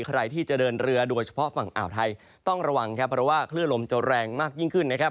ใครที่จะเดินเรือโดยเฉพาะฝั่งอ่าวไทยต้องระวังครับเพราะว่าคลื่นลมจะแรงมากยิ่งขึ้นนะครับ